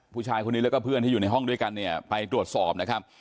ผู้ชายคนนี้แล้วก็เพื่อนที่อยู่ในห้องด้วยกันเนี่ยไปตรวจสอบนะครับ